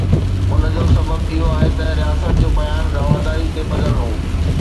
ان جو سبب اهو هو ته رياست جو بيان رواداري تي ٻڌل هو.